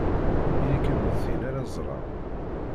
Ili-kem d tin ara ẓreɣ!